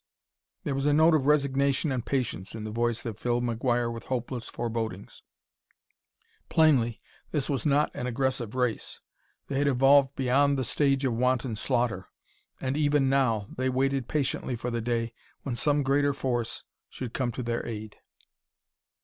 There was a note of resignation and patience in the voice that filled McGuire with hopeless forebodings. Plainly this was not an aggressive race. They had evolved beyond the stage of wanton slaughter, and, even now, they waited patiently for the day when some greater force should come to their aid.